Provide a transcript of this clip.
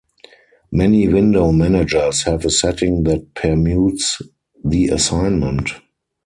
Many window managers have a setting that permutes the assignment.